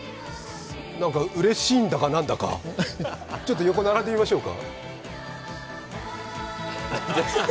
何かうれしいんだか何だかちょっと横に並んでみましょうか。